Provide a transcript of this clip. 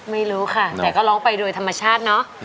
ไม่รู้ค่ะแต่ก็ร้องไปโดยธรรมชาติเนอะ